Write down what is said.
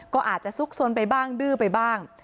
ก็อาจจะซุกซนไปบ้างดื้อไปบ้าง